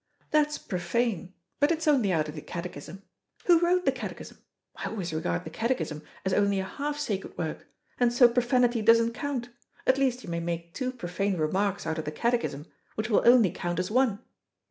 That's profane, but it's only out of the Catechism. Who wrote the Catechism? I always regard the Catechism as only a half sacred work, and so profanity doesn't count, at least you may make two profane remarks out of the Catechism, which will only count as one.